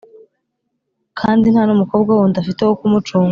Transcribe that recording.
kandi nta n’umukobwa wundi afite wo kumucungura.